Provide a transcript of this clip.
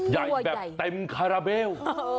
ใหญ่แบบเต็มคาราเบล